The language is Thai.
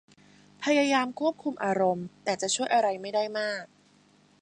พยายามควบคุมอารมณ์แต่จะช่วยอะไรไม่ได้มาก